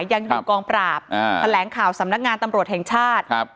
ยังอยู่กองปราบแถลงข่าวสำนักงานตำรวจแห่งชาติครับ